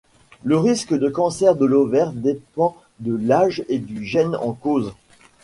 Le risque de cancer de l’ovaire dépend de l’âge et du gène en cause.